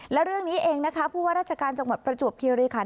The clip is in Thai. และเรื่องนี้เองนะคะผู้ว่าราชการจังหวัดประจวบคิริคัน